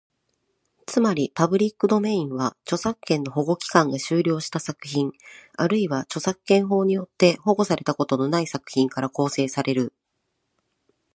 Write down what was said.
つまり、パブリックドメインは、著作権の保護期間が終了した作品、あるいは著作権法によって保護されたことのない作品から構成される。